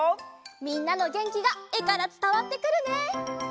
みんなのげんきがえからつたわってくるね！